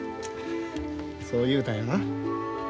そう言うたんやな。